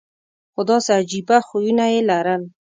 خو داسې عجیبه خویونه یې لرل.